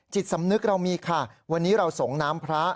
จิตสำนึกเรามีค่ะวันนี้เราส่งน้ำพระ